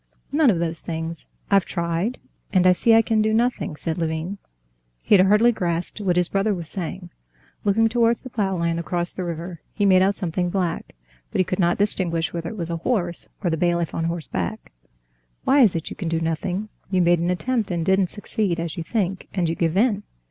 "None of those things. I've tried, and I see I can do nothing," said Levin. He had hardly grasped what his brother was saying. Looking towards the plough land across the river, he made out something black, but he could not distinguish whether it was a horse or the bailiff on horseback. "Why is it you can do nothing? You made an attempt and didn't succeed, as you think, and you give in.